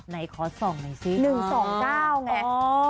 ในคอส๒ไหนสิ๑๒๙ไง